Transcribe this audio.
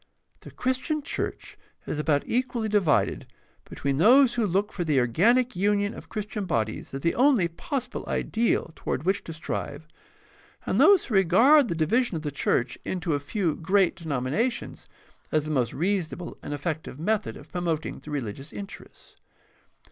— The Christian church is about equally divided between those who look for the organic union of Christian bodies as the only possible ideal toward which to strive, and those who regard the division of the church into 6o8 GUIDE TO STUDY OF CHRISTIAN RELIGION a few great denominations as the most reasonable and effective method of promoting the rehgious interests.